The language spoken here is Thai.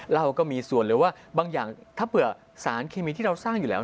เราก็มีส่วนหรือว่าบางอย่างถ้าเผื่อสารเคมีที่เราสร้างอยู่แล้ว